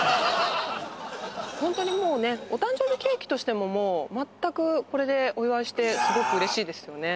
ホントにもうねお誕生日ケーキとしてももうまったくこれでお祝いしてすごく嬉しいですよね